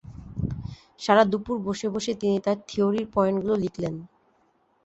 সারা দুপুর বসে বসে তিনি তাঁর থিওরির পয়েন্টগুলো লিখলেন।